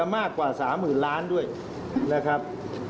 มากกว่า๓๐๐๐๐๐๐๐บาทด้วยนะครับ